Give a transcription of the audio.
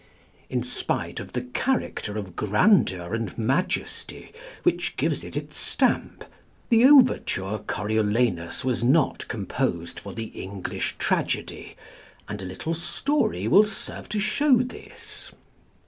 In spite of the character of grandeur and majesty which gives it its stamp, the overture "Coriolanus" was not composed for the English tragedy, and a little story will serve to show this.